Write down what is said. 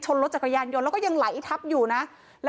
รถจักรยานยนต์แล้วก็ยังไหลทับอยู่นะ